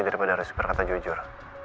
daripada harus berkata jujur